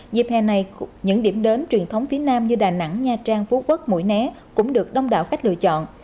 dịp hè này những điểm đến truyền thống phía nam như đà nẵng nha trang phú quốc mũi né cũng được đông đảo khách lựa chọn